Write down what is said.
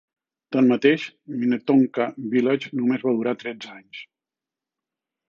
Tanmateix, Minnetonka Village només va durar tretze anys.